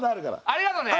ありがとね。